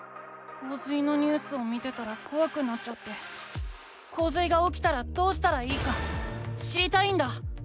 こう水のニュースを見てたらこわくなっちゃってこう水がおきたらどうしたらいいか知りたいんだ。